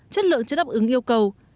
chất lượng chưa đáp ứng yêu cầu